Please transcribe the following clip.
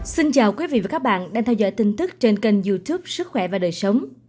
xin chào quý vị và các bạn đang theo dõi tin tức trên kênh youtube sức khỏe và đời sống